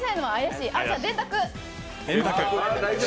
じゃ、電卓。